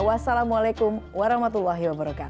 wassalamualaikum warahmatullahi wabarakatuh